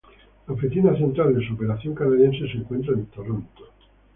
La oficina central de su operación canadiense se encuentra en Toronto.